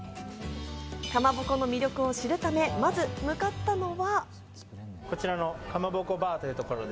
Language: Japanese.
かまぼこの魅力を知るため、まず向かったのは。